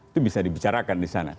itu bisa dibicarakan di sana